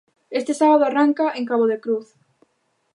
Este sábado arranca en Cabo de Cruz.